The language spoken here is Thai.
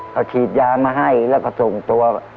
เขาฉีดยามาให้แล้วก็ส่งตัว